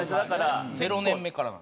０年目からなので。